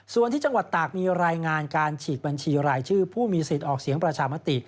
ส่วนที่จังหวัดตากมีรายงานการฉีกบัญชีรายชื่อผู้มีสิทธิ์ออกเสียงประชามติ